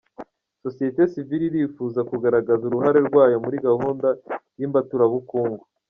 Sosiyete sivile irifuza kugaragaza uruhare rwayo muri gahunda y’imbaturabukungu